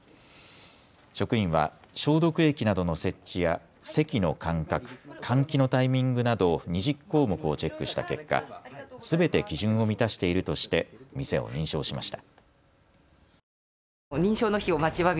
職員は消毒液などの設置や席の間隔、換気のタイミングなど２０項目をチェックした結果、すべて基準を満たしているとして店を認証しました。